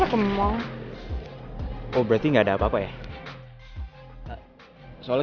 v kamu mau ngapain sih